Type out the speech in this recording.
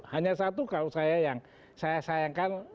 hanya satu kalau saya sayangkan